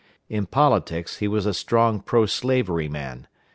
In politics he was a strong pro slavery man.